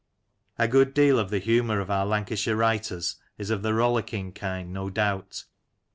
A good deal of the humour of our Lancashire writers is of the rollicking kind, no doubt.